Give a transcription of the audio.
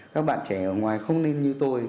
các bạn trẻ ở ngoài không nên như tôi